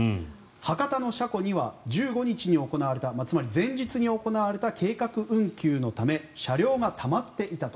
博多の車庫には１５日に行われたつまり前日に行われた計画運休のため車両がたまっていたと。